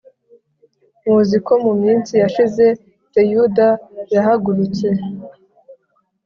Muzi ko mu minsi yashize Teyuda yahagurutse